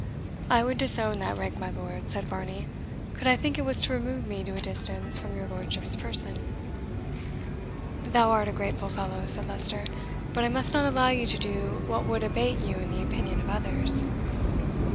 "I would disown that rank, my Lord," said Varney, "could I think it was to remove me to a distance from your lordship's person." "Thou art a grateful fellow," said Leicester; "but I must not allow you to do what would abate you in the opinion of others."